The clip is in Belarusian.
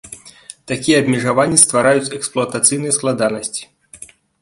Такія абмежаванні ствараюць эксплуатацыйныя складанасці.